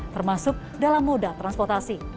termasuk dalam moda transportasi